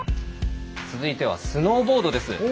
続いてはスノーボードです。